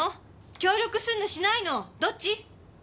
協力すんのしないのどっち